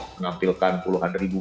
mengampilkan puluhan ribu